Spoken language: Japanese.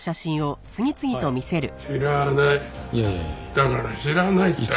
だから知らないったら。